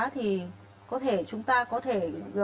thì chúng ta có thể